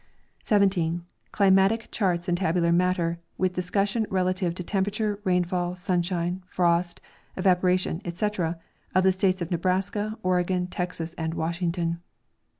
17. Climatic charts and tabular matter, with discussion rela tive to temperature, rainfall, sunshine, frost, evaporation, etc, of the states of Nebraska, Oregon, Texas and Washington.